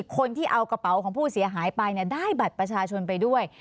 คนที่เอากระเป๋าของผู้เสียหายไปได้บัตรประชาชนไปด้วย